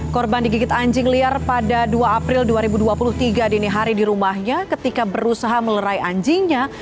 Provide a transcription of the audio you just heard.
korban digigit anjing liar pada dua april dua ribu dua puluh tiga dini hari di rumahnya ketika berusaha melerai anjingnya